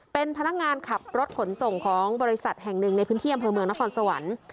เป็นพนักงานขับรถขนส่งของบริษัทแห่งหนึ่งในพื้นที่อำเภอเมืองนครสวรรค์